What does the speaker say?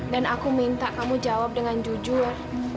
dan aku minta kamu jawab dengan jujur